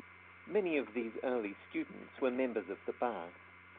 Many of these early students were members of the bar.